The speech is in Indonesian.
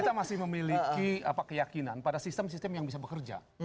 kita masih memiliki keyakinan pada sistem sistem yang bisa bekerja